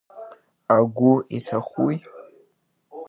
Агәы иҭахуи?